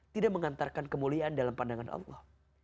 tidak mengantarkan kemuliaan dalam pandangan allah